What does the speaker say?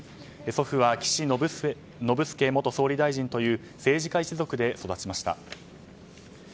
祖父は岸信介元総理大臣という政治家一族で育ちました。